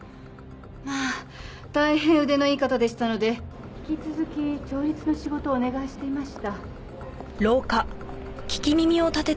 まあ大変腕のいい方でしたので引き続き調律の仕事をお願いしていました。